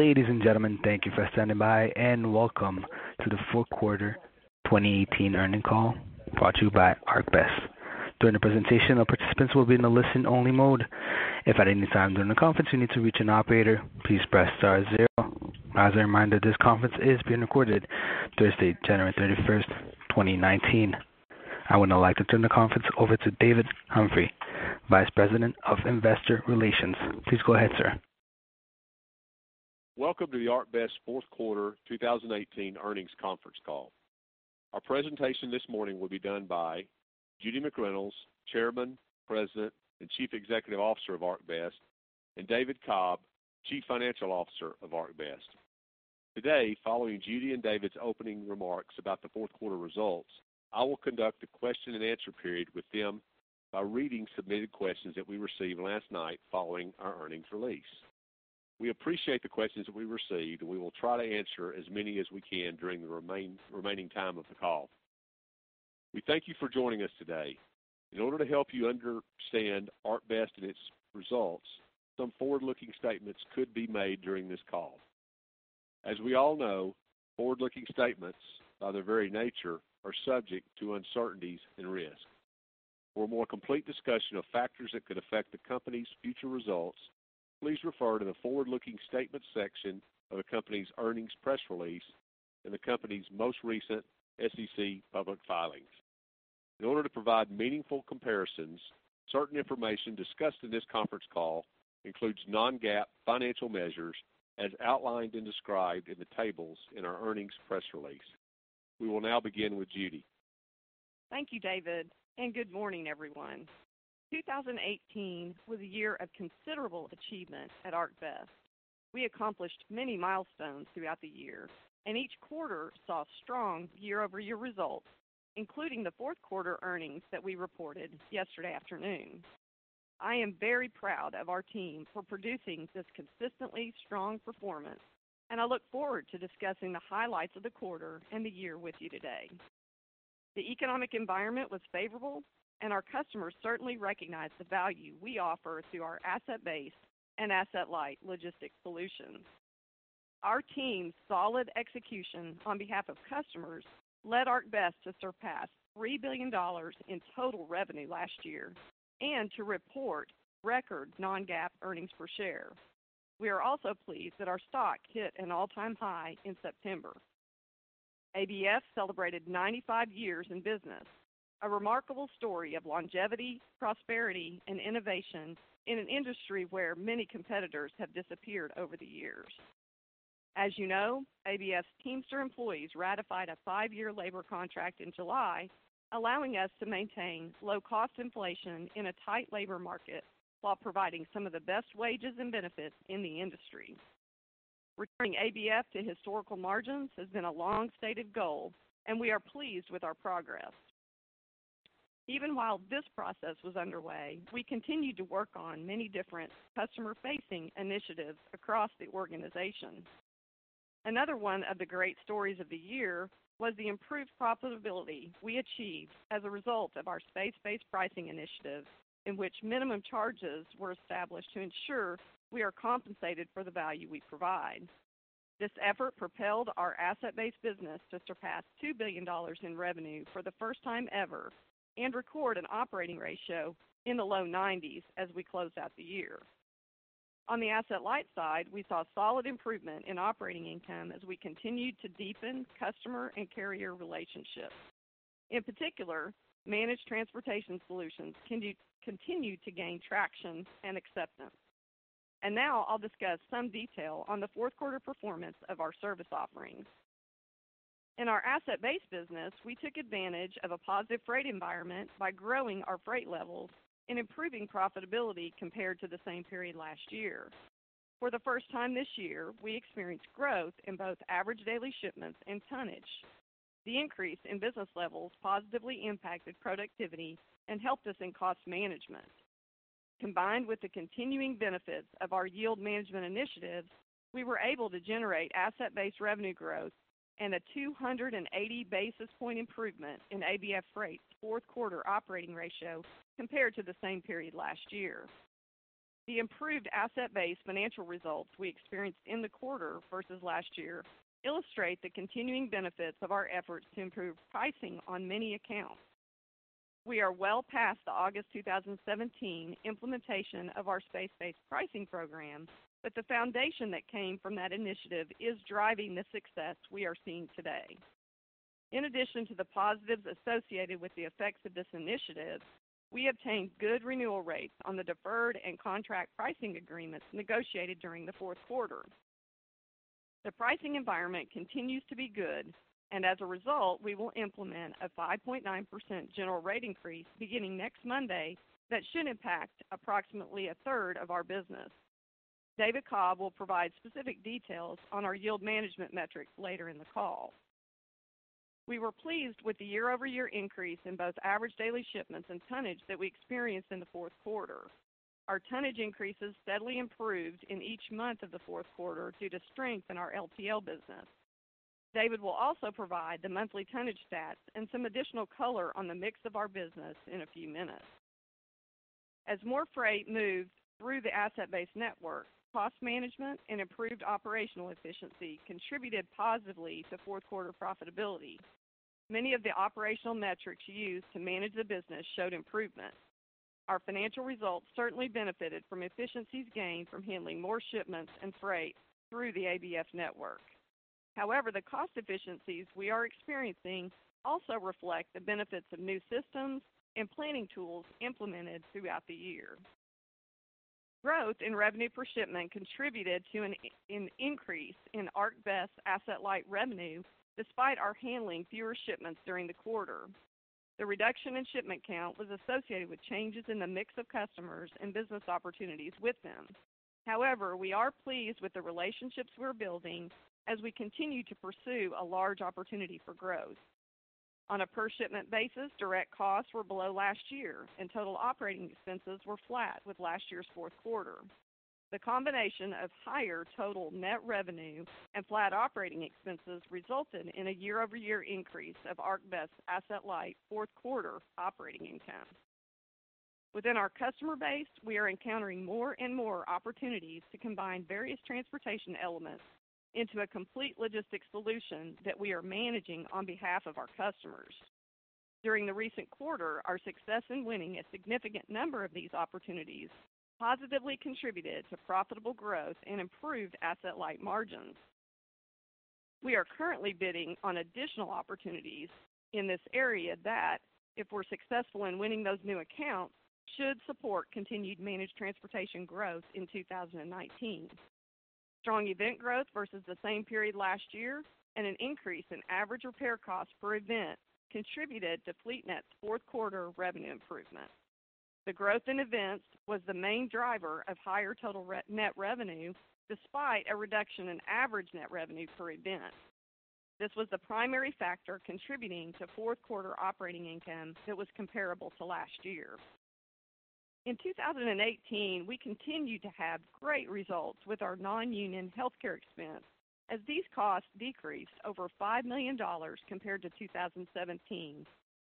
Ladies and gentlemen, thank you for standing by, and welcome to the Fourth Quarter 2018 earnings call, brought to you by ArcBest. During the presentation, all participants will be in the listen-only mode. If at any time during the conference, you need to reach an operator, please press star zero. As a reminder, this conference is being recorded Thursday, January 31st, 2019. I would now like to turn the conference over to David Humphrey, Vice President of Investor Relations. Please go ahead, sir. Welcome to the ArcBest fourth quarter 2018 earnings conference call. Our presentation this morning will be done by Judy McReynolds, Chairman, President, and Chief Executive Officer of ArcBest, and David Cobb, Chief Financial Officer of ArcBest. Today, following Judy and David's opening remarks about the fourth quarter results, I will conduct a question-and-answer period with them by reading submitted questions that we received last night following our earnings release. We appreciate the questions that we received, and we will try to answer as many as we can during the remaining time of the call. We thank you for joining us today. In order to help you understand ArcBest and its results, some forward-looking statements could be made during this call. As we all know, forward-looking statements, by their very nature, are subject to uncertainties and risks. For a more complete discussion of factors that could affect the company's future results, please refer to the forward-looking statement section of the company's earnings press release and the company's most recent SEC public filings. In order to provide meaningful comparisons, certain information discussed in this conference call includes non-GAAP financial measures as outlined and described in the tables in our earnings press release. We will now begin with Judy. Thank you, David, and good morning, everyone. 2018 was a year of considerable achievement at ArcBest. We accomplished many milestones throughout the year, and each quarter saw strong year-over-year results, including the fourth quarter earnings that we reported yesterday afternoon. I am very proud of our team for producing this consistently strong performance, and I look forward to discussing the highlights of the quarter and the year with you today. The economic environment was favorable, and our customers certainly recognize the value we offer through our asset-based and asset-light logistics solutions. Our team's solid execution on behalf of customers led ArcBest to surpass $3 billion in total revenue last year and to report record non-GAAP earnings per share. We are also pleased that our stock hit an all-time high in September. ABF celebrated 95 years in business, a remarkable story of longevity, prosperity, and innovation in an industry where many competitors have disappeared over the years. As you know, ABF's Teamster employees ratified a 5-year labor contract in July, allowing us to maintain low cost inflation in a tight labor market while providing some of the best wages and benefits in the industry. Returning ABF to historical margins has been a long-stated goal, and we are pleased with our progress. Even while this process was underway, we continued to work on many different customer-facing initiatives across the organization. Another one of the great stories of the year was the improved profitability we achieved as a result of our space-based pricing initiative, in which minimum charges were established to ensure we are compensated for the value we provide. This effort propelled our asset-based business to surpass $2 billion in revenue for the first time ever and record an operating ratio in the low 90s as we closed out the year. On the asset-light side, we saw solid improvement in operating income as we continued to deepen customer and carrier relationships. In particular, Managed Transportation Solutions continued to gain traction and acceptance. Now I'll discuss some detail on the fourth quarter performance of our service offerings. In our asset-based business, we took advantage of a positive freight environment by growing our freight levels and improving profitability compared to the same period last year. For the first time this year, we experienced growth in both average daily shipments and tonnage. The increase in business levels positively impacted productivity and helped us in cost management. Combined with the continuing benefits of our yield management initiatives, we were able to generate asset-based revenue growth and a 280 basis point improvement in ABF Freight's fourth quarter operating ratio compared to the same period last year. The improved asset-based financial results we experienced in the quarter versus last year illustrate the continuing benefits of our efforts to improve pricing on many accounts. We are well past the August 2017 implementation of our space-based pricing program, but the foundation that came from that initiative is driving the success we are seeing today. In addition to the positives associated with the effects of this initiative, we obtained good renewal rates on the deferred and contract pricing agreements negotiated during the fourth quarter. The pricing environment continues to be good, and as a result, we will implement a 5.9% general rate increase beginning next Monday that should impact approximately a third of our business. David Cobb will provide specific details on our yield management metrics later in the call. We were pleased with the year-over-year increase in both average daily shipments and tonnage that we experienced in the fourth quarter. Our tonnage increases steadily improved in each month of the fourth quarter due to strength in our LTL business. David will also provide the monthly tonnage stats and some additional color on the mix of our business in a few minutes. As more freight moved through the asset-based network, cost management and improved operational efficiency contributed positively to fourth quarter profitability. Many of the operational metrics used to manage the business showed improvement. Our financial results certainly benefited from efficiencies gained from handling more shipments and freight through the ABF network. However, the cost efficiencies we are experiencing also reflect the benefits of new systems and planning tools implemented throughout the year. Growth in revenue per shipment contributed to an increase in ArcBest asset-light revenue, despite our handling fewer shipments during the quarter. The reduction in shipment count was associated with changes in the mix of customers and business opportunities with them. However, we are pleased with the relationships we're building as we continue to pursue a large opportunity for growth. On a per shipment basis, direct costs were below last year, and total operating expenses were flat with last year's fourth quarter. The combination of higher total net revenue and flat operating expenses resulted in a year-over-year increase of ArcBest asset-light fourth quarter operating income. Within our customer base, we are encountering more and more opportunities to combine various transportation elements into a complete logistics solution that we are managing on behalf of our customers. During the recent quarter, our success in winning a significant number of these opportunities positively contributed to profitable growth and improved asset-light margins. We are currently bidding on additional opportunities in this area that, if we're successful in winning those new accounts, should support continued managed transportation growth in 2019. Strong event growth versus the same period last year and an increase in average repair costs per event contributed to FleetNet's fourth quarter revenue improvement. The growth in events was the main driver of higher total net revenue, despite a reduction in average net revenue per event. This was the primary factor contributing to fourth quarter operating income that was comparable to last year. In 2018, we continued to have great results with our non-union healthcare expense, as these costs decreased over $5 million compared to 2017,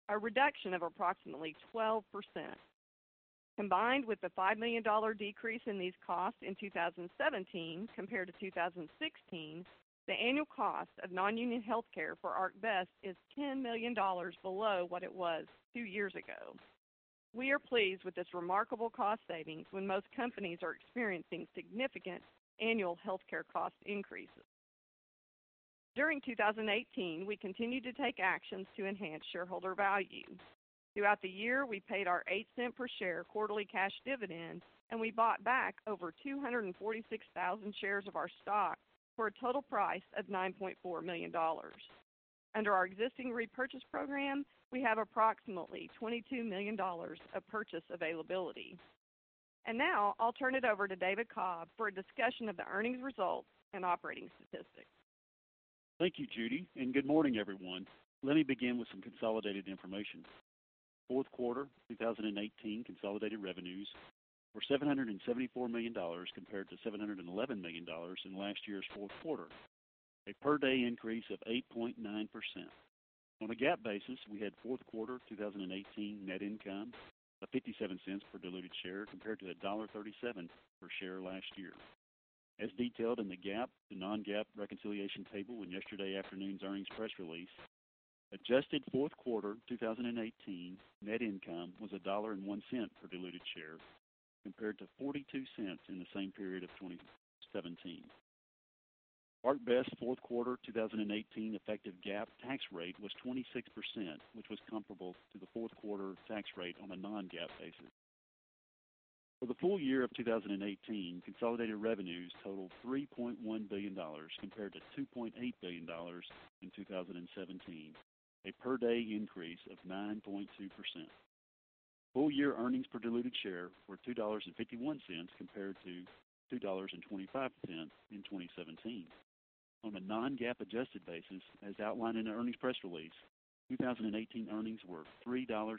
a reduction of approximately 12%. Combined with the $5 million decrease in these costs in 2017 compared to 2016, the annual cost of non-union healthcare for ArcBest is $10 million below what it was two years ago. We are pleased with this remarkable cost savings when most companies are experiencing significant annual healthcare cost increases. During 2018, we continued to take actions to enhance shareholder value. Throughout the year, we paid our $0.08 per share quarterly cash dividend, and we bought back over 246,000 shares of our stock for a total price of $9.4 million. Under our existing repurchase program, we have approximately $22 million of purchase availability. Now I'll turn it over to David Cobb for a discussion of the earnings results and operating statistics. Thank you, Judy, and good morning, everyone. Let me begin with some consolidated information. Fourth quarter 2018 consolidated revenues were $774 million, compared to $711 million in last year's fourth quarter, a per-day increase of 8.9%. On a GAAP basis, we had fourth quarter 2018 net income of $0.57 per diluted share, compared to $1.37 per share last year. As detailed in the GAAP to non-GAAP reconciliation table in yesterday afternoon's earnings press release, adjusted fourth quarter 2018 net income was $1.01 per diluted share, compared to $0.42 in the same period of 2017. ArcBest's fourth quarter 2018 effective GAAP tax rate was 26%, which was comparable to the fourth quarter tax rate on a non-GAAP basis. For the full year of 2018, consolidated revenues totaled $3.1 billion, compared to $2.8 billion in 2017, a per-day increase of 9.2%. Full year earnings per diluted share were $2.51, compared to $2.25 in 2017. On a non-GAAP adjusted basis, as outlined in the earnings press release, 2018 earnings were $3.86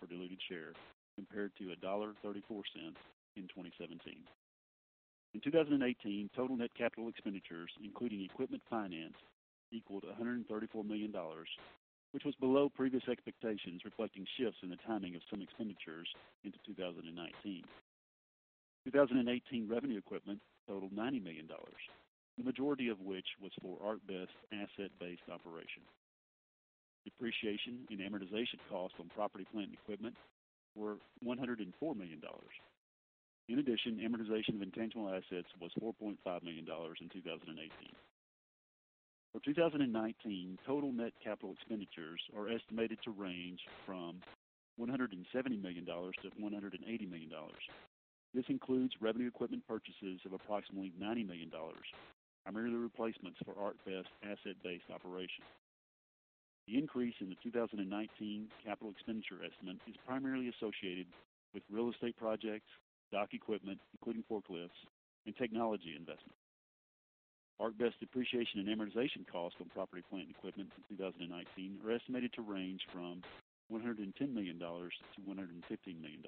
per diluted share, compared to $1.34 in 2017. In 2018, total net capital expenditures, including equipment finance, equaled $134 million, which was below previous expectations, reflecting shifts in the timing of some expenditures into 2019. 2018 revenue equipment totaled $90 million, the majority of which was for ArcBest's asset-based operation. Depreciation and amortization costs on property, plant, and equipment were $104 million. In addition, amortization of intangible assets was $4.5 million in 2018. For 2019, total net capital expenditures are estimated to range from $170 million-$180 million. This includes revenue equipment purchases of approximately $90 million, primarily replacements for ArcBest asset-based operation. The increase in the 2019 capital expenditure estimate is primarily associated with real estate projects, dock equipment, including forklifts, and technology investments. ArcBest depreciation and amortization costs on property, plant, and equipment in 2019 are estimated to range from $110 million-$115 million.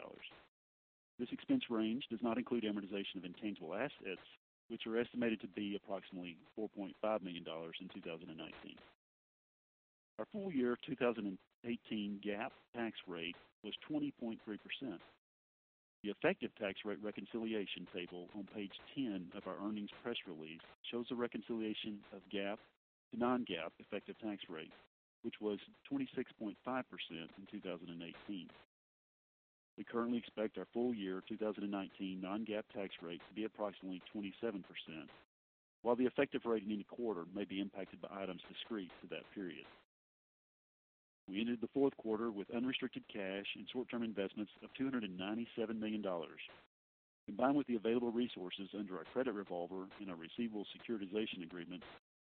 This expense range does not include amortization of intangible assets, which are estimated to be approximately $4.5 million in 2019. Our full year 2018 GAAP tax rate was 20.3%. The effective tax rate reconciliation table on page 10 of our earnings press release shows the reconciliation of GAAP to non-GAAP effective tax rate, which was 26.5% in 2018. We currently expect our full year 2019 non-GAAP tax rate to be approximately 27%, while the effective rate in any quarter may be impacted by items discrete to that period. We ended the fourth quarter with unrestricted cash and short-term investments of $297 million. Combined with the available resources under our credit revolver and our receivable securitization agreements,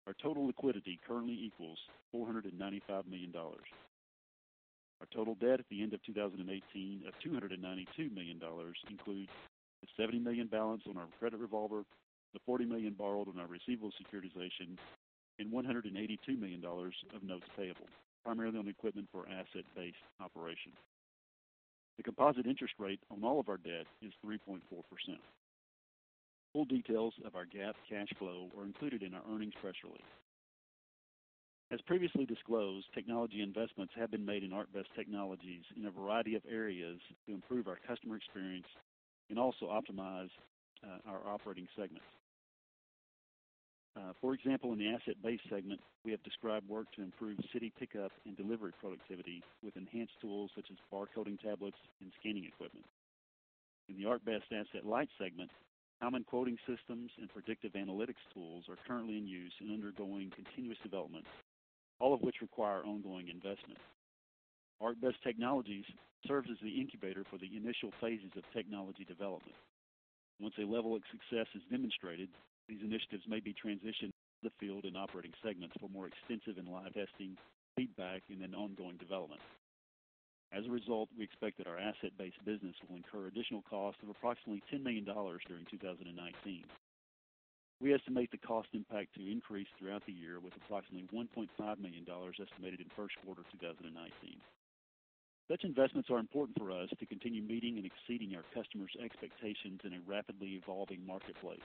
our total liquidity currently equals $495 million. Our total debt at the end of 2018 of $292 million includes the $70 million balance on our credit revolver, the $40 million borrowed on our receivable securitizations, and $182 million of notes payable, primarily on equipment for our asset-based operations. The composite interest rate on all of our debt is 3.4%. Full details of our GAAP cash flow are included in our earnings press release. As previously disclosed, technology investments have been made in ArcBest Technologies in a variety of areas to improve our customer experience and also optimize our operating segments. For example, in the asset-based segment, we have described work to improve city pickup and delivery productivity with enhanced tools such as barcoding tablets and scanning equipment. In the ArcBest Asset-Light segment, common quoting systems and predictive analytics tools are currently in use and undergoing continuous development, all of which require ongoing investment. ArcBest Technologies serves as the incubator for the initial phases of technology development. Once a level of success is demonstrated, these initiatives may be transitioned to the field and operating segments for more extensive and live testing, feedback, and then ongoing development. As a result, we expect that our asset-based business will incur additional costs of approximately $10 million during 2019. We estimate the cost impact to increase throughout the year, with approximately $1.5 million estimated in first quarter 2019. Such investments are important for us to continue meeting and exceeding our customers' expectations in a rapidly evolving marketplace.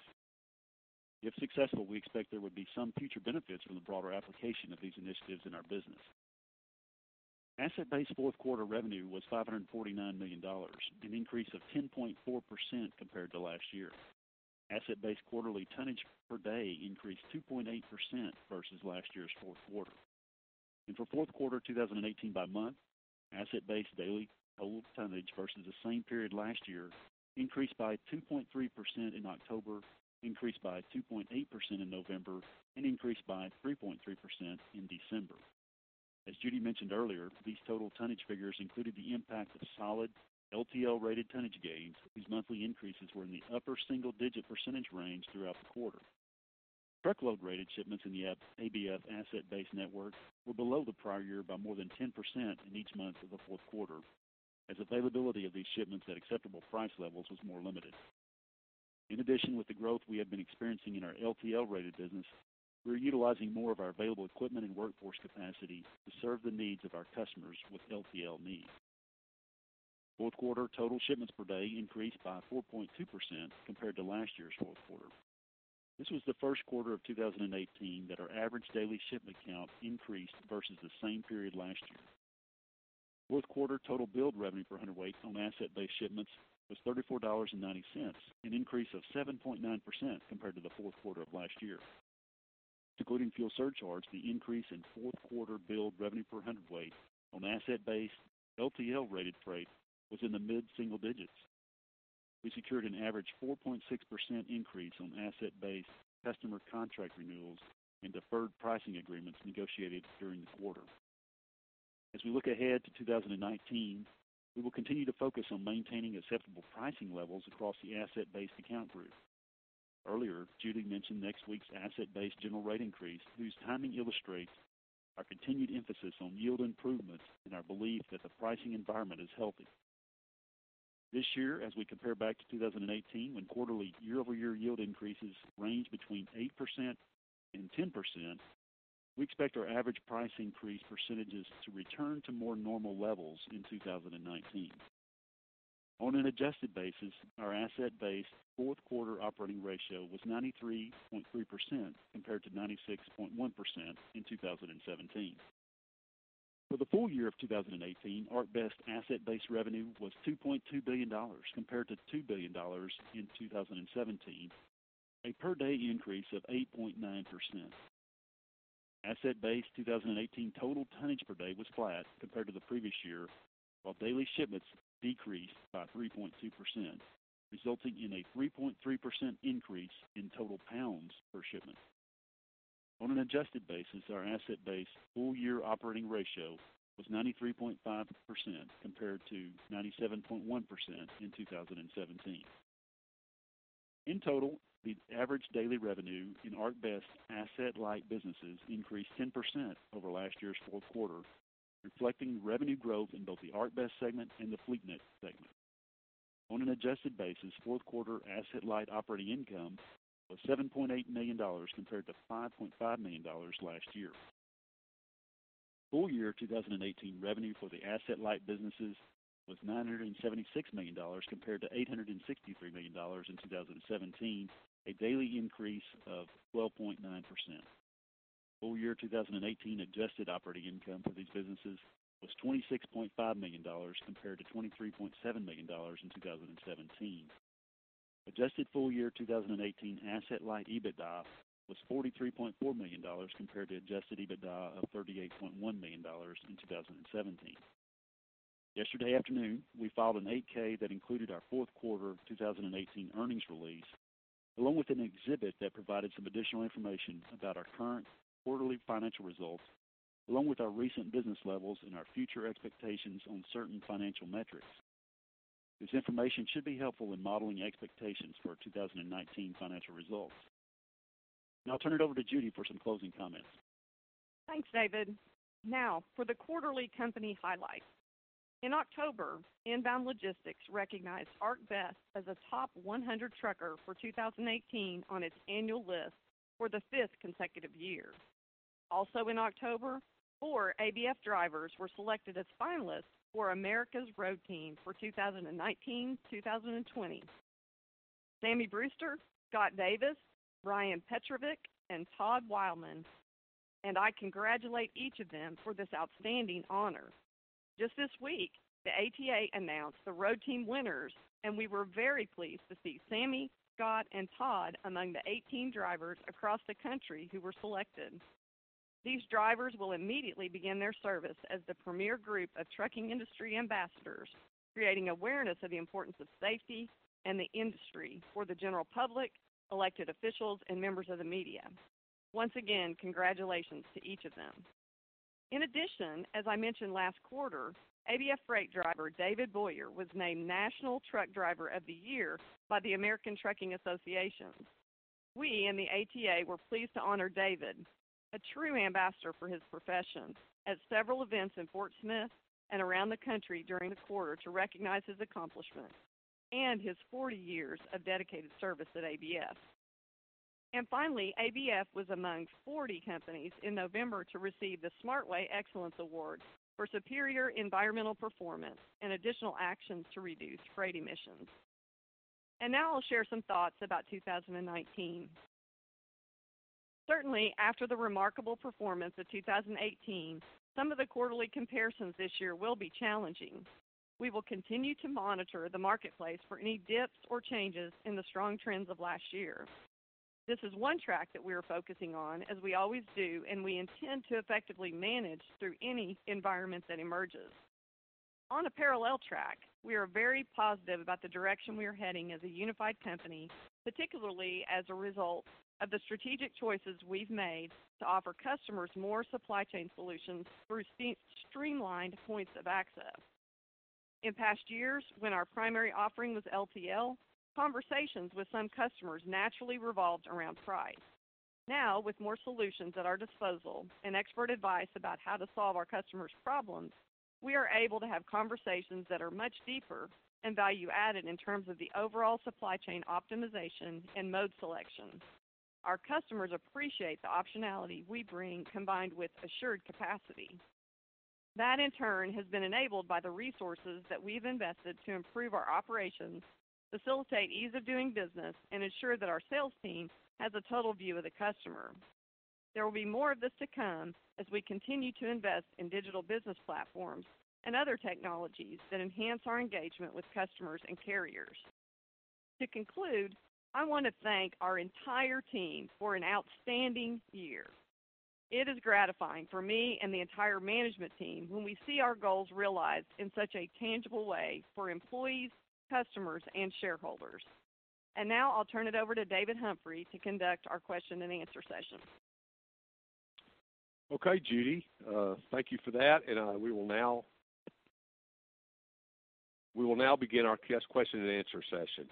If successful, we expect there would be some future benefits from the broader application of these initiatives in our business. Asset-based fourth quarter revenue was $549 million, an increase of 10.4% compared to last year. Asset-based quarterly tonnage per day increased 2.8% versus last year's fourth quarter. For fourth quarter 2018 by month, asset-based daily total tonnage versus the same period last year increased by 2.3% in October, increased by 2.8% in November, and increased by 3.3% in December. As Judy mentioned earlier, these total tonnage figures included the impact of solid LTL-rated tonnage gains, whose monthly increases were in the upper single-digit % range throughout the quarter. Truckload-rated shipments in the ABF asset-based networks were below the prior year by more than 10% in each month of the fourth quarter, as availability of these shipments at acceptable price levels was more limited. In addition, with the growth we have been experiencing in our LTL-rated business, we're utilizing more of our available equipment and workforce capacity to serve the needs of our customers with LTL needs. Fourth quarter total shipments per day increased by 4.2% compared to last year's fourth quarter. This was the first quarter of 2018 that our average daily shipment count increased versus the same period last year. Fourth quarter total billed revenue per hundredweight on asset-based shipments was $34.90, an increase of 7.9% compared to the fourth quarter of last year. Excluding fuel surcharges, the increase in fourth quarter billed revenue per hundredweight on asset-based LTL-rated freight was in the mid-single digits. We secured an average 4.6% increase on asset-based customer contract renewals and deferred pricing agreements negotiated during this quarter. As we look ahead to 2019, we will continue to focus on maintaining acceptable pricing levels across the asset-based account group. Earlier, Judy mentioned next week's asset-based general rate increase, whose timing illustrates our continued emphasis on yield improvements and our belief that the pricing environment is healthy. This year, as we compare back to 2018, when quarterly year-over-year yield increases ranged between 8% and 10%, we expect our average price increase percentages to return to more normal levels in 2019. On an adjusted basis, our asset-based fourth quarter operating ratio was 93.3%, compared to 96.1% in 2017. For the full year of 2018, ArcBest asset-based revenue was $2.2 billion, compared to $2 billion in 2017, a per-day increase of 8.9%. Asset-based 2018 total tonnage per day was flat compared to the previous year, while daily shipments decreased by 3.2%, resulting in a 3.3% increase in total pounds per shipment. On an adjusted basis, our asset-based full year operating ratio was 93.5%, compared to 97.1% in 2017. In total, the average daily revenue in ArcBest's asset-light businesses increased 10% over last year's fourth quarter, reflecting revenue growth in both the ArcBest segment and the FleetNet segment. On an adjusted basis, fourth quarter asset-light operating income was $7.8 million, compared to $5.5 million last year. Full year 2018 revenue for the asset-light businesses. was $976 million compared to $863 million in 2017, a daily increase of 12.9%. Full year 2018 adjusted operating income for these businesses was $26.5 million, compared to $23.7 million in 2017. Adjusted full year 2018 asset-light EBITDA was $43.4 million compared to adjusted EBITDA of $38.1 million in 2017. Yesterday afternoon, we filed an 8-K that included our fourth quarter of 2018 earnings release, along with an exhibit that provided some additional information about our current quarterly financial results, along with our recent business levels and our future expectations on certain financial metrics. This information should be helpful in modeling expectations for our 2019 financial results. Now I'll turn it over to Judy for some closing comments. Thanks, David. Now for the quarterly company highlights. In October, Inbound Logistics recognized ABF as a top 100 trucker for 2018 on its annual list for the 5th consecutive year. Also, in October, 4 ABF drivers were selected as finalists for America's Road Team for 2019, 2020. Sammy Brewster, Scott Davis, Brian Petrovcic, and Todd Wilemon, and I congratulate each of them for this outstanding honor. Just this week, the ATA announced the Road Team winners, and we were very pleased to see Sammy, Scott, and Todd among the 18 drivers across the country who were selected. These drivers will immediately begin their service as the premier group of trucking industry ambassadors, creating awareness of the importance of safety and the industry for the general public, elected officials, and members of the media. Once again, congratulations to each of them. In addition, as I mentioned last quarter, ABF Freight driver, David Boyer, was named National Truck Driver of the Year by the American Trucking Associations. We and the ATA were pleased to honor David, a true ambassador for his profession, at several events in Fort Smith and around the country during the quarter to recognize his accomplishment and his 40 years of dedicated service at ABF. And finally, ABF was among 40 companies in November to receive the SmartWay Excellence Award for superior environmental performance and additional actions to reduce freight emissions. And now I'll share some thoughts about 2019. Certainly, after the remarkable performance of 2018, some of the quarterly comparisons this year will be challenging. We will continue to monitor the marketplace for any dips or changes in the strong trends of last year. This is one track that we are focusing on, as we always do, and we intend to effectively manage through any environment that emerges. On a parallel track, we are very positive about the direction we are heading as a unified company, particularly as a result of the strategic choices we've made to offer customers more supply chain solutions through streamlined points of access. In past years, when our primary offering was LTL, conversations with some customers naturally revolved around price. Now, with more solutions at our disposal and expert advice about how to solve our customers' problems, we are able to have conversations that are much deeper and value added in terms of the overall supply chain optimization and mode selection. Our customers appreciate the optionality we bring, combined with assured capacity. That, in turn, has been enabled by the resources that we've invested to improve our operations, facilitate ease of doing business, and ensure that our sales team has a total view of the customer. There will be more of this to come as we continue to invest in digital business platforms and other technologies that enhance our engagement with customers and carriers. To conclude, I want to thank our entire team for an outstanding year. It is gratifying for me and the entire management team when we see our goals realized in such a tangible way for employees, customers, and shareholders. Now I'll turn it over to David Humphrey to conduct our question and answer session. Okay, Judy, thank you for that. We will now begin our question and answer session.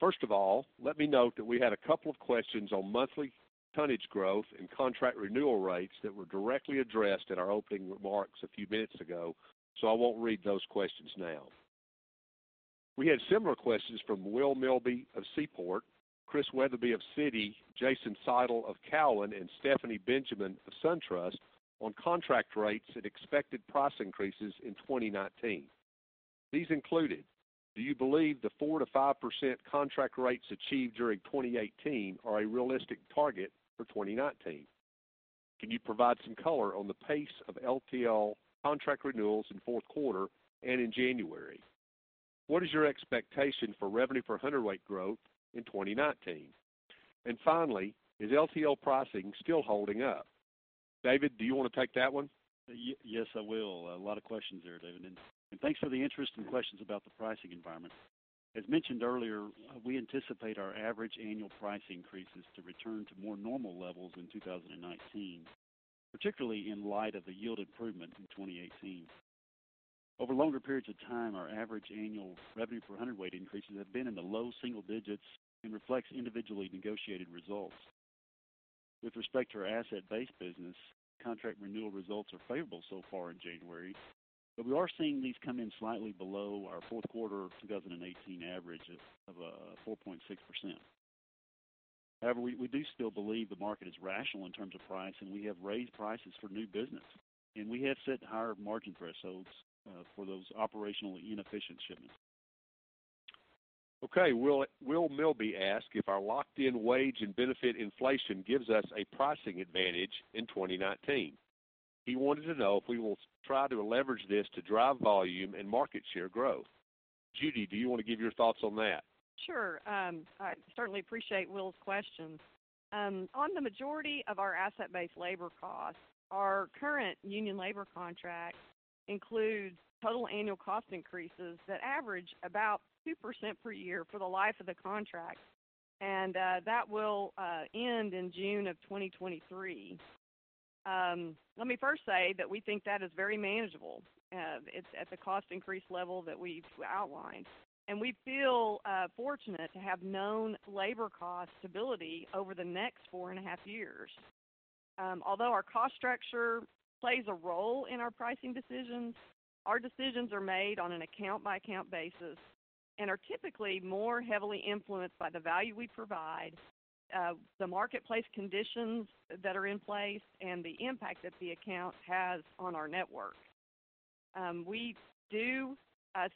First of all, let me note that we had a couple of questions on monthly tonnage growth and contract renewal rates that were directly addressed in our opening remarks a few minutes ago, so I won't read those questions now. We had similar questions from Will Milby of Seaport, Chris Wetherbee of Citi, Jason Seidl of Cowen, and Stephanie Benjamin of SunTrust on contract rates and expected price increases in 2019. These included: Do you believe the 4%-5% contract rates achieved during 2018 are a realistic target for 2019? Can you provide some color on the pace of LTL contract renewals in fourth quarter and in January? What is your expectation for revenue per hundredweight growth in 2019? And finally, is LTL pricing still holding up? David, do you want to take that one? Yes, I will. A lot of questions there, David, and thanks for the interesting questions about the pricing environment. As mentioned earlier, we anticipate our average annual price increases to return to more normal levels in 2019, particularly in light of the yield improvement in 2018. Over longer periods of time, our average annual revenue for hundredweight increases have been in the low single digits and reflects individually negotiated results. With respect to our asset-based business, contract renewal results are favorable so far in January, but we are seeing these come in slightly below our fourth quarter 2018 average of 4.6%. However, we do still believe the market is rational in terms of price, and we have raised prices for new business. We have set higher margin thresholds for those operationally inefficient shipments. Okay, Will, Will Milby asked if our locked-in wage and benefit inflation gives us a pricing advantage in 2019. He wanted to know if we will try to leverage this to drive volume and market share growth. Judy, do you want to give your thoughts on that? Sure, I certainly appreciate Will's questions. On the majority of our asset-based labor costs, our current union labor contract includes total annual cost increases that average about 2% per year for the life of the contract, and that will end in June of 2023. Let me first say that we think that is very manageable. It's at the cost increase level that we've outlined. We feel fortunate to have known labor cost stability over the next four and a half years. Although our cost structure plays a role in our pricing decisions, our decisions are made on an account-by-account basis and are typically more heavily influenced by the value we provide, the marketplace conditions that are in place, and the impact that the account has on our network. We do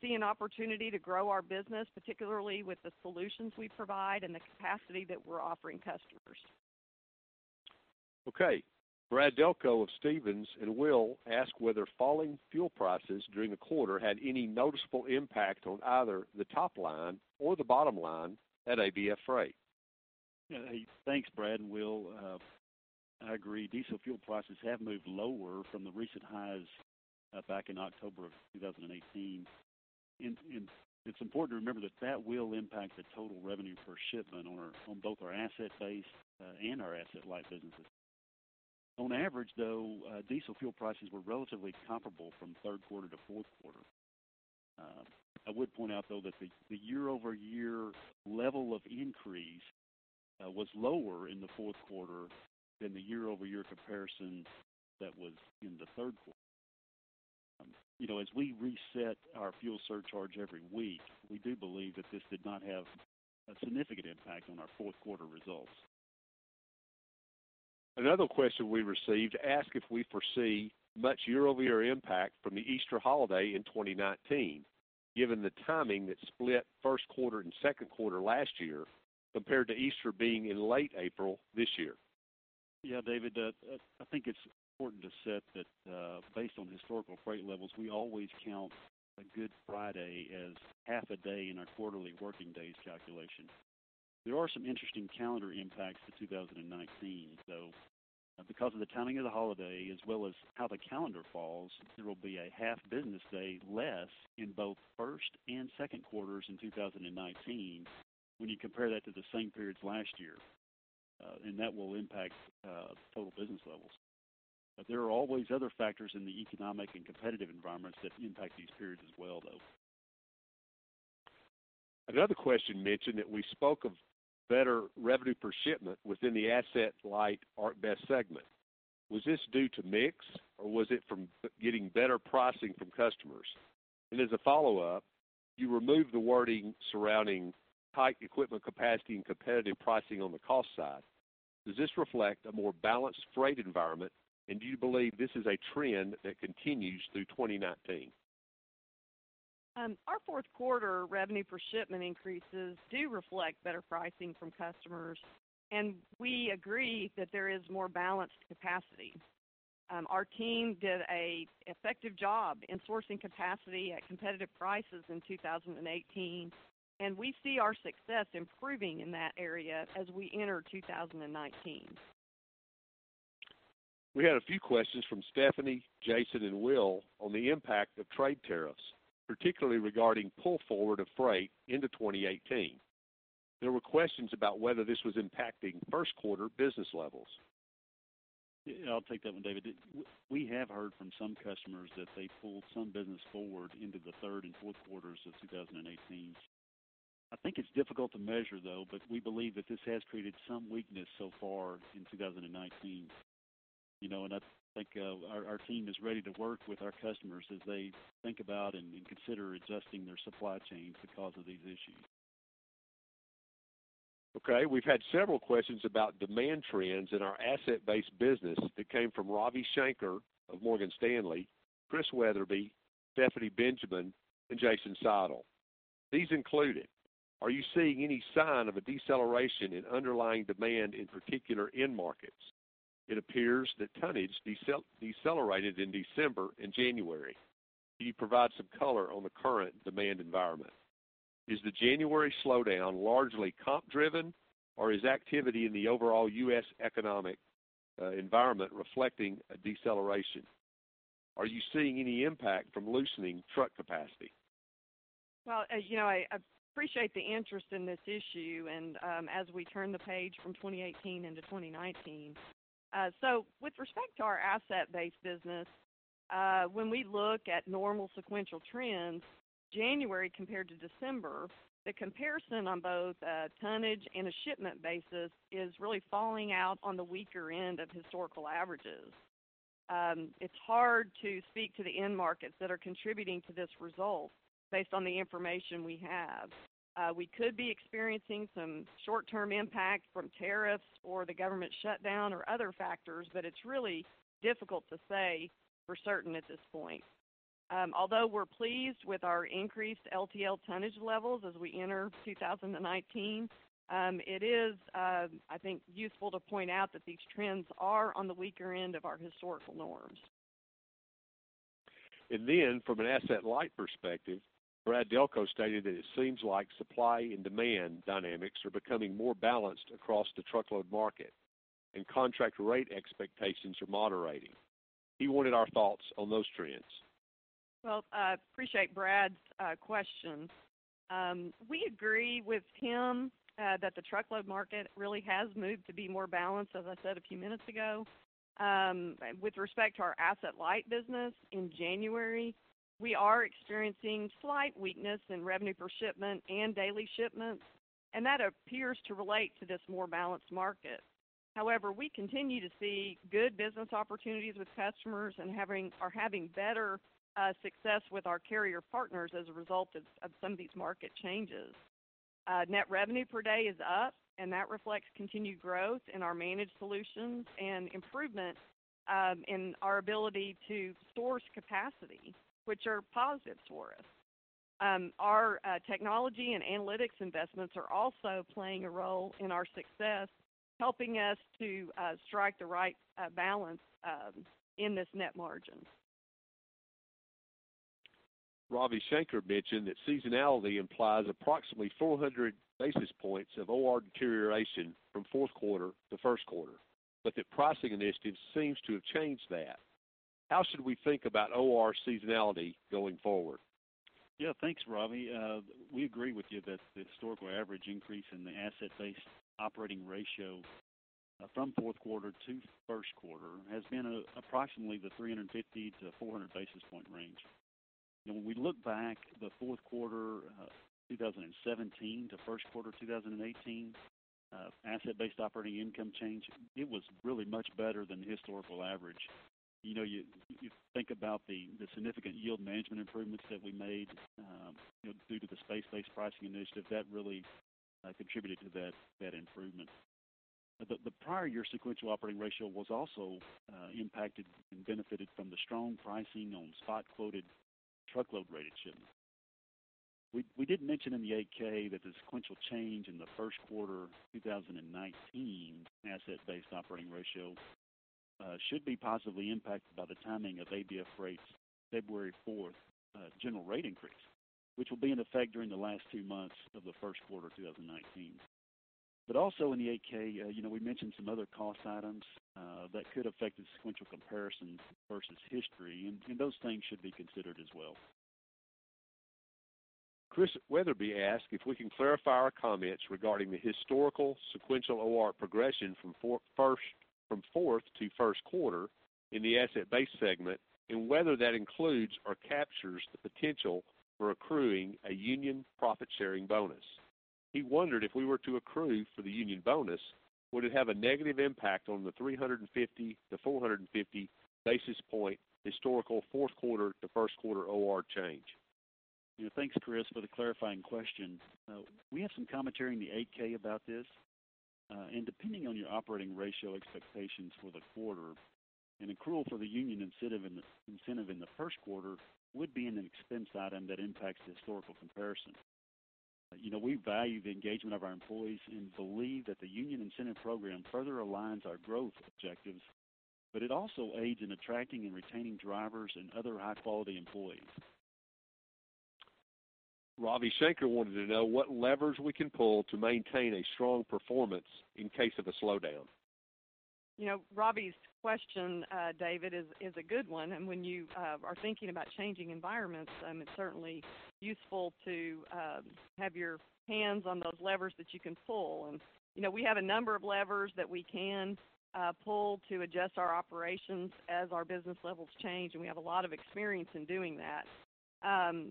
see an opportunity to grow our business, particularly with the solutions we provide and the capacity that we're offering customers. Okay, Brad Delco of Stephens and Will asked whether falling fuel prices during the quarter had any noticeable impact on either the top line or the bottom line at ABF Freight. Yeah, thanks, Brad and Will. I agree, diesel fuel prices have moved lower from the recent highs back in October of 2018. And it's important to remember that that will impact the total revenue per shipment on our, on both our asset-based and our asset-light businesses. On average, though, diesel fuel prices were relatively comparable from third quarter to fourth quarter. I would point out, though, that the year-over-year level of increase was lower in the fourth quarter than the year-over-year comparison that was in the third quarter. You know, as we reset our fuel surcharge every week, we do believe that this did not have a significant impact on our fourth quarter results. Another question we received asked if we foresee much year-over-year impact from the Easter holiday in 2019, given the timing that split first quarter and second quarter last year, compared to Easter being in late April this year. Yeah, David, I think it's important to set that based on historical freight levels, we always count a Good Friday as half a day in our quarterly working days calculation. There are some interesting calendar impacts to 2019, though. Because of the timing of the holiday, as well as how the calendar falls, there will be a half business day less in both first and second quarters in 2019, when you compare that to the same periods last year. And that will impact total business levels. But there are always other factors in the economic and competitive environments that impact these periods as well, though. Another question mentioned that we spoke of better revenue per shipment within the asset-light ArcBest segment. Was this due to mix, or was it from getting better pricing from customers? And as a follow-up, you removed the wording surrounding tight equipment capacity and competitive pricing on the cost side. Does this reflect a more balanced freight environment, and do you believe this is a trend that continues through 2019? Our fourth quarter revenue per shipment increases do reflect better pricing from customers, and we agree that there is more balanced capacity. Our team did an effective job in sourcing capacity at competitive prices in 2018, and we see our success improving in that area as we enter 2019. We had a few questions from Stephanie, Jason, and Will on the impact of trade tariffs, particularly regarding pull forward of freight into 2018. There were questions about whether this was impacting first quarter business levels. Yeah, I'll take that one, David. We have heard from some customers that they pulled some business forward into the third and fourth quarters of 2018. I think it's difficult to measure, though, but we believe that this has created some weakness so far in 2019. You know, and I think, our team is ready to work with our customers as they think about and consider adjusting their supply chains because of these issues. Okay, we've had several questions about demand trends in our asset-based business that came from Ravi Shanker of Morgan Stanley, Chris Wetherbee, Stephanie Benjamin, and Jason Seidl. These included: Are you seeing any sign of a deceleration in underlying demand, in particular, end markets? It appears that tonnage decelerated in December and January. Can you provide some color on the current demand environment? Is the January slowdown largely comp driven, or is activity in the overall US economic environment reflecting a deceleration? Are you seeing any impact from loosening truck capacity? Well, as you know, I appreciate the interest in this issue and, as we turn the page from 2018 into 2019. So with respect to our asset-based business, when we look at normal sequential trends, January compared to December, the comparison on both a tonnage and a shipment basis is really falling out on the weaker end of historical averages. It's hard to speak to the end markets that are contributing to this result based on the information we have. We could be experiencing some short-term impact from tariffs or the government shutdown or other factors, but it's really difficult to say for certain at this point. Although we're pleased with our increased LTL tonnage levels as we enter 2019, it is, I think, useful to point out that these trends are on the weaker end of our historical norms. From an Asset-light perspective, Brad Delco stated that it seems like supply and demand dynamics are becoming more balanced across the truckload market, and contract rate expectations are moderating. He wanted our thoughts on those trends. Well, I appreciate Brad's question. We agree with him that the truckload market really has moved to be more balanced, as I said a few minutes ago. With respect to our asset-light business, in January, we are experiencing slight weakness in revenue per shipment and daily shipments, and that appears to relate to this more balanced market. However, we continue to see good business opportunities with customers and are having better success with our carrier partners as a result of some of these market changes. Net revenue per day is up, and that reflects continued growth in our managed solutions and improvement in our ability to source capacity, which are positives for us. Our technology and analytics investments are also playing a role in our success, helping us to strike the right balance in this net margin. Ravi Shanker mentioned that seasonality implies approximately 400 basis points of OR deterioration from fourth quarter to first quarter, but that pricing initiative seems to have changed that. How should we think about OR seasonality going forward? Yeah, thanks, Ravi. We agree with you that the historical average increase in the asset-based operating ratio from fourth quarter to first quarter has been approximately the 350-400 basis point range. And when we look back, the fourth quarter 2017 to first quarter 2018 asset-based operating income change, it was really much better than the historical average. You know, you, you think about the, the significant yield management improvements that we made due to the space-based pricing initiative, that really contributed to that, that improvement. The, the prior year sequential operating ratio was also impacted and benefited from the strong pricing on spot quoted truckload rated shipments. We did mention in the 8-K that the sequential change in the first quarter 2019 asset-based operating ratios should be positively impacted by the timing of ABF Freight's February 4 general rate increase, which will be in effect during the last two months of the first quarter 2019. But also in the 8-K, you know, we mentioned some other cost items that could affect the sequential comparisons versus history, and those things should be considered as well. Chris Wetherbee asked if we can clarify our comments regarding the historical sequential OR progression from fourth to first quarter in the asset-based segment, and whether that includes or captures the potential for accruing a union profit-sharing bonus. He wondered if we were to accrue for the union bonus, would it have a negative impact on the 350-450 basis point historical fourth quarter to first quarter OR change? Thanks, Chris, for the clarifying question. We have some commentary in the 8-K about this. And depending on your operating ratio expectations for the quarter, an accrual for the union incentive in the first quarter would be an expense item that impacts the historical comparison. You know, we value the engagement of our employees and believe that the union incentive program further aligns our growth objectives, but it also aids in attracting and retaining drivers and other high-quality employees. Ravi Shanker wanted to know what levers we can pull to maintain a strong performance in case of a slowdown. You know, Ravi's question, David, is a good one, and when you are thinking about changing environments, it's certainly useful to have your hands on those levers that you can pull. And, you know, we have a number of levers that we can pull to adjust our operations as our business levels change, and we have a lot of experience in doing that.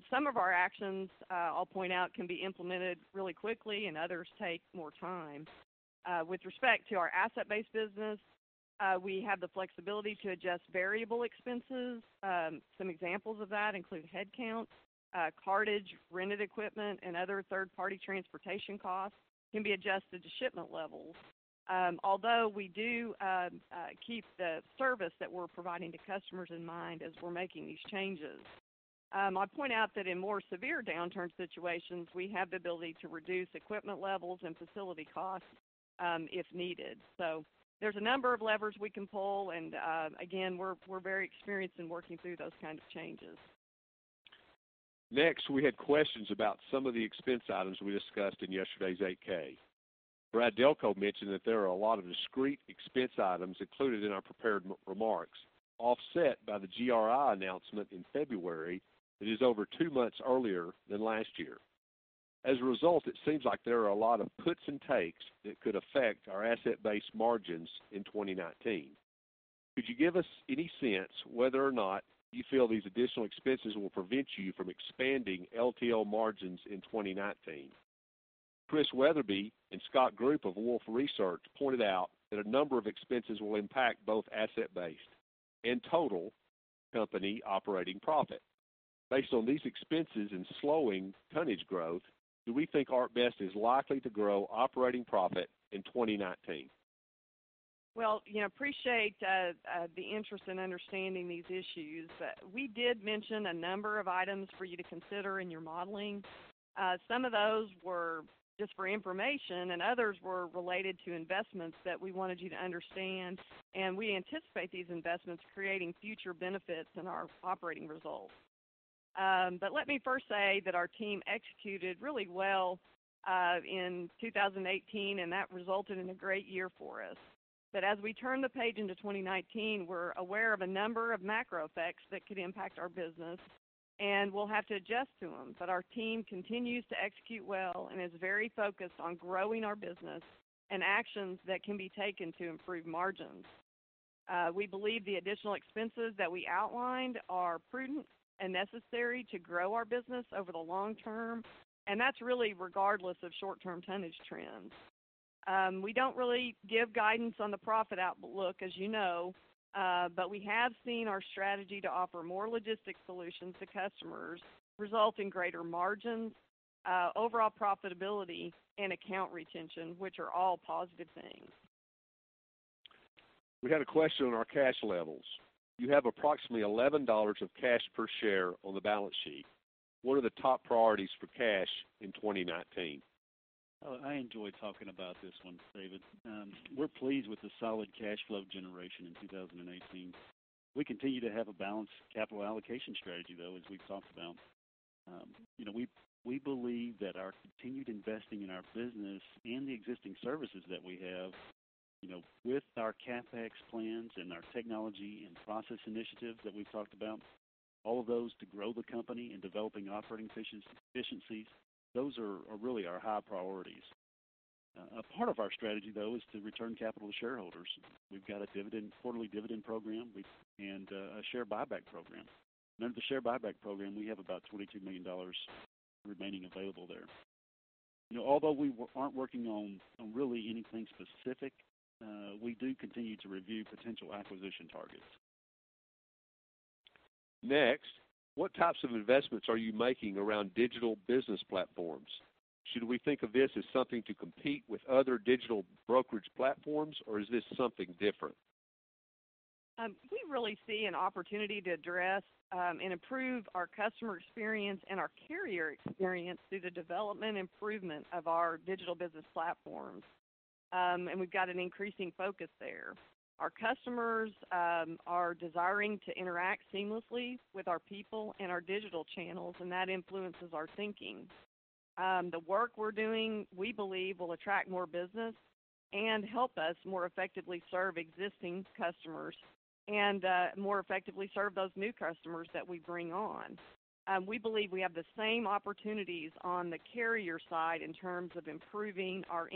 Some of our actions, I'll point out, can be implemented really quickly, and others take more time. With respect to our asset-based business, we have the flexibility to adjust variable expenses. Some examples of that include headcount, cartage, rented equipment, and other third-party transportation costs can be adjusted to shipment levels. Although we do keep the service that we're providing to customers in mind as we're making these changes. I'd point out that in more severe downturn situations, we have the ability to reduce equipment levels and facility costs, if needed. So there's a number of levers we can pull, and, again, we're very experienced in working through those kinds of changes. Next, we had questions about some of the expense items we discussed in yesterday's 8-K. Brad Delco mentioned that there are a lot of discrete expense items included in our prepared remarks, offset by the GRI announcement in February. It is over two months earlier than last year. As a result, it seems like there are a lot of puts and takes that could affect our asset-based margins in 2019. Could you give us any sense whether or not you feel these additional expenses will prevent you from expanding LTL margins in 2019? Chris Wetherbee and Scott Group of Wolfe Research pointed out that a number of expenses will impact both asset-based and total company operating profit. Based on these expenses and slowing tonnage growth, do we think ArcBest is likely to grow operating profit in 2019? Well, you know, appreciate the interest in understanding these issues. We did mention a number of items for you to consider in your modeling. Some of those were just for information, and others were related to investments that we wanted you to understand, and we anticipate these investments creating future benefits in our operating results. But let me first say that our team executed really well in 2018, and that resulted in a great year for us. But as we turn the page into 2019, we're aware of a number of macro effects that could impact our business, and we'll have to adjust to them. But our team continues to execute well and is very focused on growing our business and actions that can be taken to improve margins. We believe the additional expenses that we outlined are prudent and necessary to grow our business over the long term, and that's really regardless of short-term tonnage trends. We don't really give guidance on the profit outlook, as you know, but we have seen our strategy to offer more logistic solutions to customers result in greater margins, overall profitability and account retention, which are all positive things. We had a question on our cash levels. You have approximately $11 of cash per share on the balance sheet. What are the top priorities for cash in 2019? Oh, I enjoy talking about this one, David. We're pleased with the solid cash flow generation in 2018. We continue to have a balanced capital allocation strategy, though, as we've talked about. You know, we believe that our continued investing in our business and the existing services that we have, you know, with our CapEx plans and our technology and process initiatives that we've talked about, all of those to grow the company and developing operating efficiencies, those are really our high priorities. A part of our strategy, though, is to return capital to shareholders. We've got a dividend, quarterly dividend program, and a share buyback program. Under the share buyback program, we have about $22 million remaining available there. You know, although we aren't working on really anything specific, we do continue to review potential acquisition targets. Next, what types of investments are you making around digital business platforms? Should we think of this as something to compete with other digital brokerage platforms, or is this something different? We really see an opportunity to address, and improve our customer experience and our carrier experience through the development and improvement of our digital business platforms. We've got an increasing focus there. Our customers are desiring to interact seamlessly with our people and our digital channels, and that influences our thinking. The work we're doing, we believe, will attract more business and help us more effectively serve existing customers and, more effectively serve those new customers that we bring on. We believe we have the same opportunities on the carrier side in terms of improving our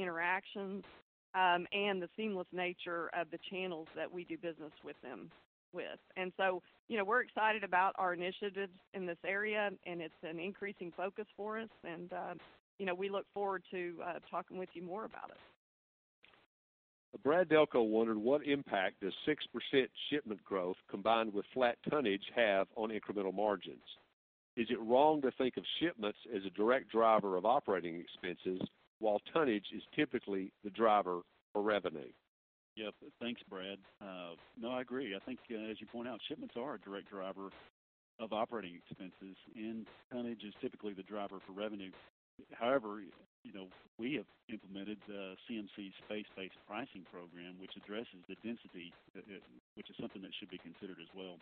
interactions, and the seamless nature of the channels that we do business with them with. And so, you know, we're excited about our initiatives in this area, and it's an increasing focus for us, and, you know, we look forward to talking with you more about it. Brad Delco wondered what impact does 6% shipment growth, combined with flat tonnage, have on incremental margins? Is it wrong to think of shipments as a direct driver of operating expenses, while tonnage is typically the driver for revenue? Yep. Thanks, Brad. No, I agree. I think, as you point out, shipments are a direct driver of operating expenses, and tonnage is typically the driver for revenue. However, you know, we have implemented the CMC space-based pricing program, which addresses the density, which is something that should be considered as well.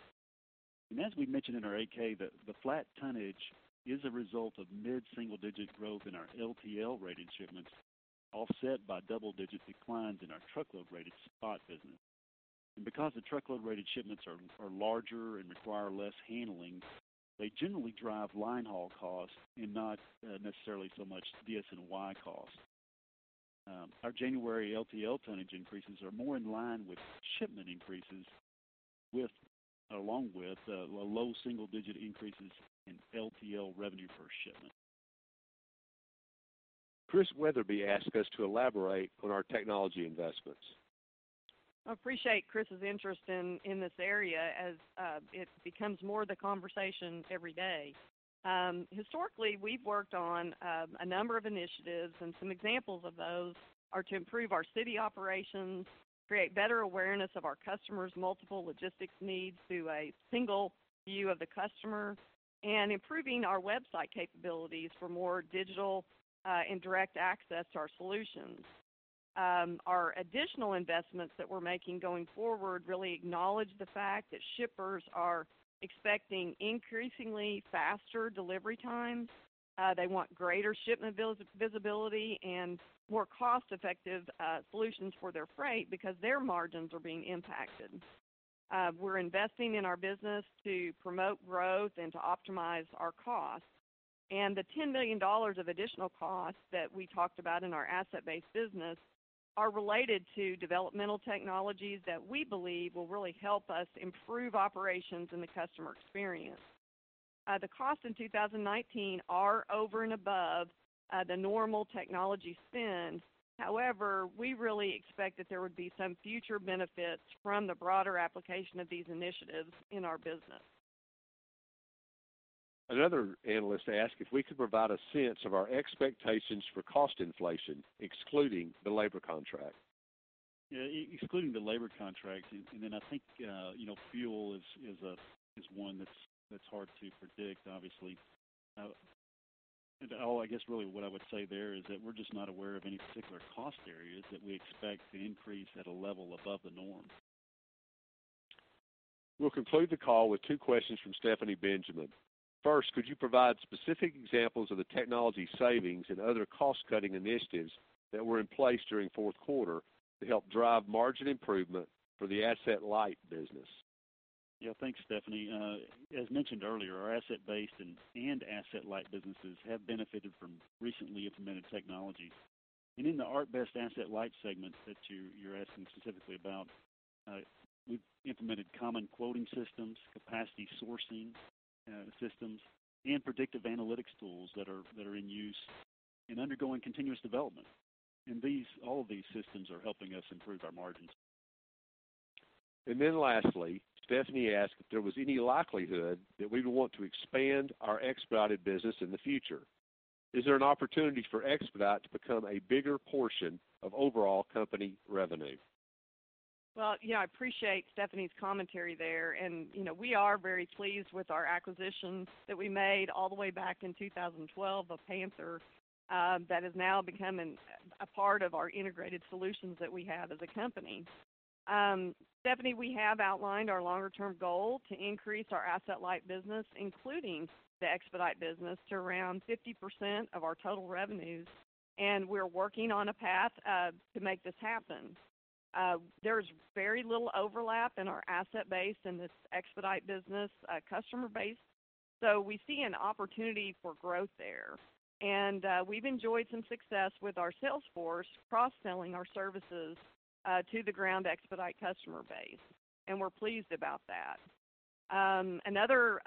And as we mentioned in our 8-K, the flat tonnage is a result of mid-single-digit growth in our LTL-rated shipments, offset by double-digit declines in our truckload-rated spot business. And because the truckload-rated shipments are larger and require less handling, they generally drive line haul costs and not necessarily so much DS&Y costs. Our January LTL tonnage increases are more in line with shipment increases, with low single-digit increases in LTL revenue per shipment. Chris Wetherbee asked us to elaborate on our technology investments. I appreciate Chris's interest in this area as it becomes more the conversation every day. Historically, we've worked on a number of initiatives, and some examples of those are to improve our city operations, create better awareness of our customers' multiple logistics needs through a single view of the customer, and improving our website capabilities for more digital and direct access to our solutions. Our additional investments that we're making going forward really acknowledge the fact that shippers are expecting increasingly faster delivery times. They want greater shipment visibility and more cost-effective solutions for their freight because their margins are being impacted. We're investing in our business to promote growth and to optimize our costs. The $10 million of additional costs that we talked about in our asset-based business are related to developmental technologies that we believe will really help us improve operations and the customer experience. The costs in 2019 are over and above the normal technology spend. However, we really expect that there would be some future benefits from the broader application of these initiatives in our business. Another analyst asked if we could provide a sense of our expectations for cost inflation, excluding the labor contract. Yeah, excluding the labor contract, and then I think, you know, fuel is one that's hard to predict, obviously. All I guess really what I would say there is that we're just not aware of any particular cost areas that we expect to increase at a level above the norm. We'll conclude the call with two questions from Stephanie Benjamin. First, could you provide specific examples of the technology savings and other cost-cutting initiatives that were in place during fourth quarter to help drive margin improvement for the Asset-Light business? Yeah, thanks, Stephanie. As mentioned earlier, our Asset-Based and Asset-Light businesses have benefited from recently implemented technologies. In the ArcBest Asset-Light segment that you're asking specifically about, we've implemented common quoting systems, capacity sourcing systems, and predictive analytics tools that are in use and undergoing continuous development. All of these systems are helping us improve our margins. And then lastly, Stephanie asked if there was any likelihood that we would want to expand our expedited business in the future. Is there an opportunity for expedite to become a bigger portion of overall company revenue? Well, yeah, I appreciate Stephanie's commentary there. And, you know, we are very pleased with our acquisitions that we made all the way back in 2012 of Panther, that is now becoming a part of our integrated solutions that we have as a company. Stephanie, we have outlined our longer-term goal to increase our Asset-light business, including the expedite business, to around 50% of our total revenues, and we're working on a path, to make this happen. There's very little overlap in our asset base in this expedite business, customer base, so we see an opportunity for growth there. And, we've enjoyed some success with our sales force, cross-selling our services, to the ground expedite customer base, and we're pleased about that. Another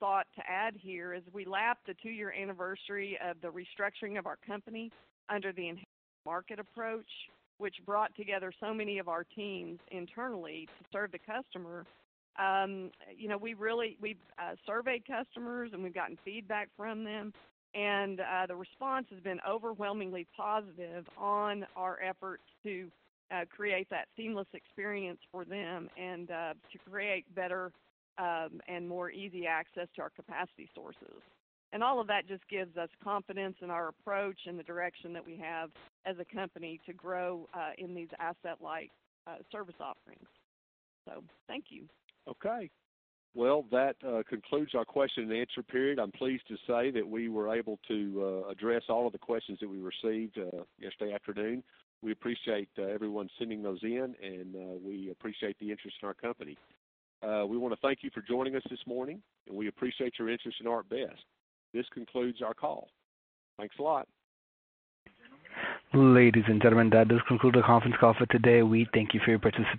thought to add here is we lapped the two-year anniversary of the restructuring of our company under the enhanced market approach, which brought together so many of our teams internally to serve the customer. You know, we really we've surveyed customers, and we've gotten feedback from them, and the response has been overwhelmingly positive on our efforts to create that seamless experience for them and to create better and more easy access to our capacity sources. And all of that just gives us confidence in our approach and the direction that we have as a company to grow in these asset-light service offerings. So thank you. Okay. Well, that concludes our question and answer period. I'm pleased to say that we were able to address all of the questions that we received yesterday afternoon. We appreciate everyone sending those in, and we appreciate the interest in our company. We want to thank you for joining us this morning, and we appreciate your interest in ArcBest. This concludes our call. Thanks a lot. Ladies and gentlemen, that does conclude the conference call for today. We thank you for your participation.